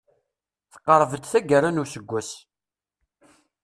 Teqreb-d taggara n useggas.